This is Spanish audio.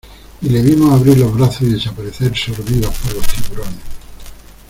y le vimos abrir los brazos y desaparecer sorbido por los tiburones.